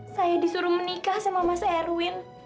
saya disuruh menikah sama masnya erwin